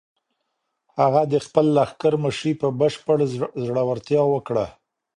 هغه د خپل لښکر مشري په بشپړ زړورتیا وکړه.